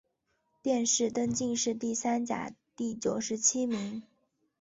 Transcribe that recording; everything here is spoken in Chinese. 殿试登进士第三甲第九十七名。